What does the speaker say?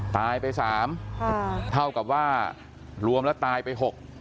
ตายไปสามค่ะเท่ากับว่ารวมแล้วตายไป๖